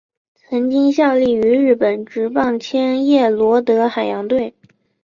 曾经效力于日本职棒千叶罗德海洋队。